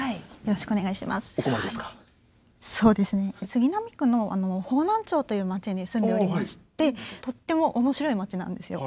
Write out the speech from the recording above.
杉並区の方南町という町に住んでおりましてとっても面白い町なんですよ。